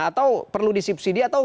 atau perlu disipsidi atau